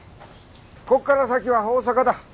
ここから先は大阪だ。